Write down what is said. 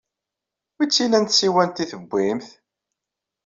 Wi tt-ilan tsiwant ay tewwimt?